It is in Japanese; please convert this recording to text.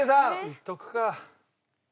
いっとくか。